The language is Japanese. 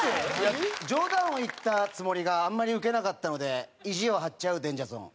冗談を言ったつもりがあんまりウケなかったので意地を張っちゃうデンジャー・ゾーン。